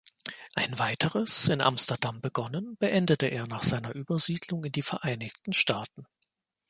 Ein weiteres, in Amsterdam begonnen, beendete er nach seiner Übersiedlung in die Vereinigten Staaten.